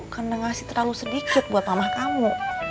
karena ngasih terlalu sedikit buat mama kamu